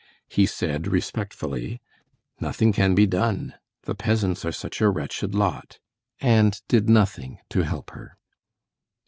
He said respectfully, "nothing can be done, the peasants are such a wretched lot," and did nothing to help her.